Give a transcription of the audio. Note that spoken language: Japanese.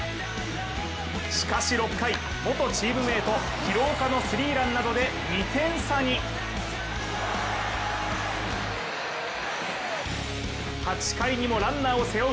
しかし６回、元チームメート廣岡のスリーランなどで２点差に８回にもランナーを背負う。